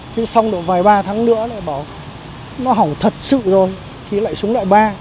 thế xong rồi vài ba tháng nữa lại bảo nó hỏng thật sự rồi thì lại xuống loại ba